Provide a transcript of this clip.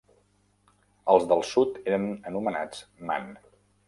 Els del sud eren anomenats Man.